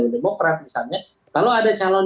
demokrat misalnya kalau ada calon